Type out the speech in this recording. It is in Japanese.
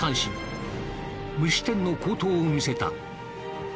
無失点の好投を見せた。